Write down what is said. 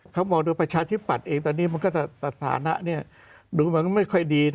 เขามองดูประชาธิบัติเองตอนนี้มันก็จะสถานะเนี่ยดูมันก็ไม่ค่อยดีนะ